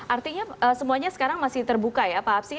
artinya semuanya sekarang masih terbuka ya pak absi